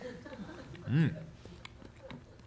うん。